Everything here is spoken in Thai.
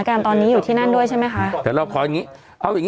สิบเก้าชั่วโมงไปสิบเก้าชั่วโมงไปสิบเก้าชั่วโมงไปสิบเก้าชั่วโมงไป